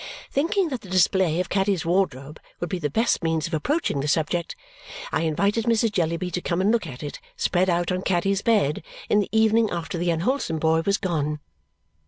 Thinking that the display of Caddy's wardrobe would be the best means of approaching the subject, I invited Mrs. Jellyby to come and look at it spread out on Caddy's bed in the evening after the unwholesome boy was gone.